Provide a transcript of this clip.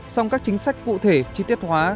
song các chính sách cụ thể chi tiết hóa